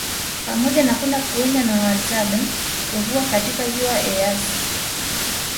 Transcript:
Pamoja na kwenda kuwinda na wahadzabe Kuvua katika Ziwa Eyasi